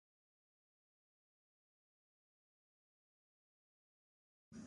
None of these options was to be realised.